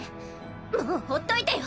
もうほっといてよ